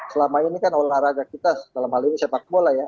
selama ini kan olahraga kita dalam hal ini sepak bola ya